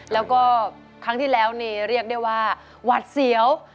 แล้วก็ครั้งที่แล้วนี่เรียกได้ว่าหวัดเสียว